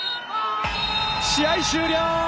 試合終了！